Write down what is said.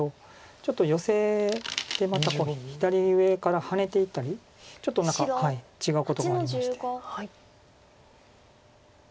ちょっとヨセでまた左上からハネていったりちょっと何か違うことがありまして。